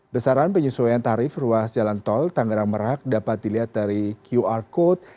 besaran penyesuaian tarif ruas jalan tol tangerang merak dapat dilihat dari qr code